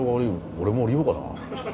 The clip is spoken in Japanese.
俺も降りようかな。